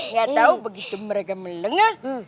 gak tau begitu mereka melengah